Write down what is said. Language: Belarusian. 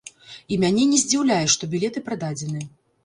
І мяне не здзіўляе, што білеты прададзены.